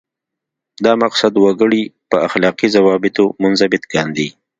دا مقصد وګړي په اخلاقي ضوابطو منضبط کاندي.